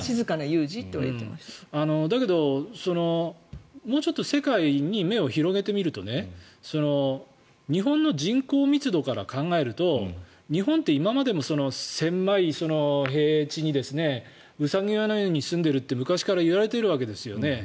だけど、もうちょっと世界に目を広げてみると日本の人口密度から考えると日本って今までも狭い平地にウサギ小屋のように住んでいると昔から言われていますよね。